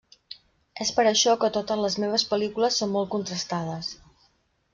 És per això que totes les meves pel·lícules són molt contrastades.